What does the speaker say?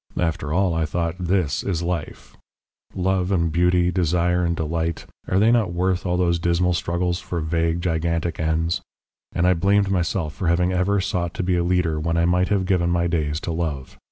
After all, I thought, this is life love and beauty, desire and delight, are they not worth all those dismal struggles for vague, gigantic ends? And I blamed myself for having ever sought to be a leader when I might have given my days to love.